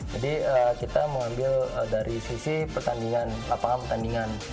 jadi kita mengambil dari sisi pertandingan lapangan pertandingan